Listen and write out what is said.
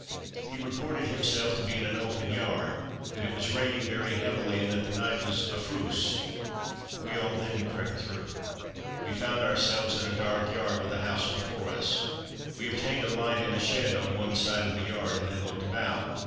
He reported himself to be in an open yard, that it was raining very heavily, and that the night was affreuse; we all then crept through. We found ourselves in a dark yard, with a house before us. We obtained a light in a shed on one side of the yard, and then looked about.